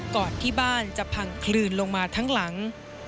ก่อนที่บ้านจะพังคลืนลงมาทั้งหลัง